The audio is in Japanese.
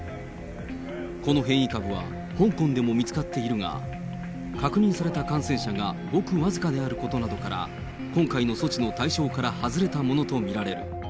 この変異株は香港でも見つかっているが、確認された感染者がごくわずかであることなどから、今回の措置の対象から外れたものと見られる。